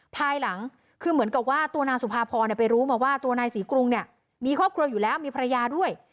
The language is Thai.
ภายหลังคือเหมือนกับว่าตัวนางสุภาพรไปรู้มาว่าตัวนายศรีกรุงเนี่ยมีครอบครัวอยู่แล้วมีภรรยาด้วย